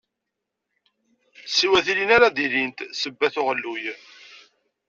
Siwa tilin ara d-ilint sebbat n uɣelluy.